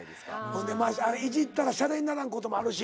ほんでいじったらしゃれにならんこともあるし。